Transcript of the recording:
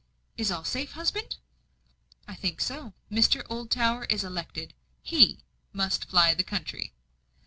"Is all safe, husband?" "I think so. Mr. Oldtower is elected HE must fly the country."